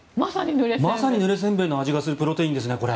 まさにぬれ煎餅の味がするプロテインですね。